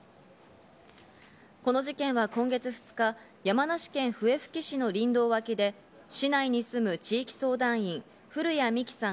この事件は今月２日、山梨県笛吹市の林道脇で、市内に住む地域相談員、古屋美紀さん